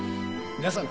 皆さん。